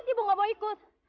ibu gak mau ikut